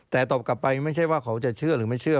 แต่ตอบกลับไปไม่ใช่ว่าเขาจะเชื่อหรือไม่เชื่อ